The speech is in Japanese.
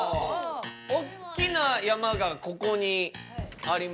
おっきな山がここにありますね。